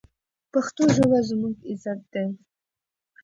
پښتو ژبه زموږ عزت دی.